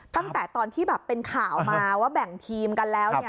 ตั้งแต่ตอนที่แบบเป็นข่าวมาว่าแบ่งทีมกันแล้ว